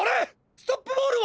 ストップボールは！？